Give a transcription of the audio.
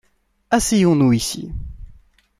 Asseyons-nous ici.